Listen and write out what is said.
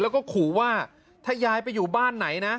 แล้วก็ขู่ว่าถ้ายายไปอยู่บ้านไหนนะ